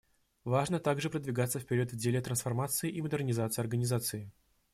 Важно также продвигаться вперед в деле трансформации и модернизации Организации.